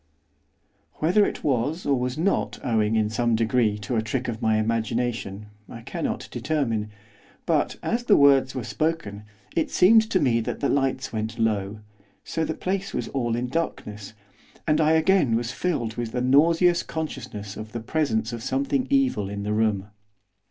Whether it was, or was not, owing, in some degree, to a trick of my imagination, I cannot determine, but, as the words were spoken, it seemed to me that the lights went low, so that the place was all in darkness, and I again was filled with the nauseous consciousness of the presence of something evil in the room.